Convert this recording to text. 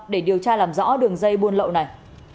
để điều tra làm rõ đường dây buôn lậu này